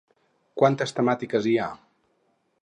Quantes temàtiques hi ha?